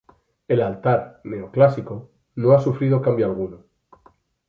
El altar, neoclásico, no ha sufrido cambio alguno.